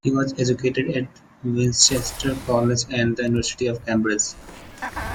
He was educated at Winchester College and the University of Cambridge.